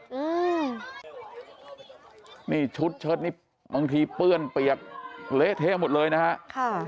อืมนี่ชุดเชิดนี่บางทีเปื้อนเปียกเละเทะหมดเลยนะฮะค่ะ